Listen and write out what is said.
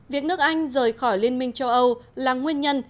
việc nước anh rời khỏi liên minh châu âu là nguyên nhân